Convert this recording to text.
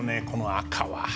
この赤は。